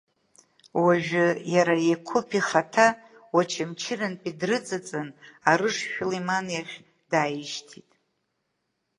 Уажәы иара Еқәыԥ ихаҭа Уачамчырантәи дрыҵаҵан Арыш Шәлиман иахь дааишьҭит.